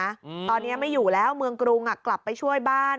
อืมตอนเนี้ยไม่อยู่แล้วเมืองกรุงอ่ะกลับไปช่วยบ้าน